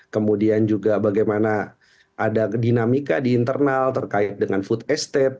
kemudian juga bagaimana ada dinamika di internal terkait dengan food estate